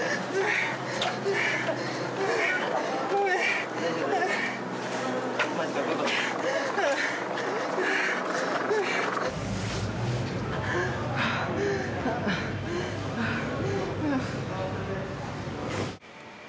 ごめん。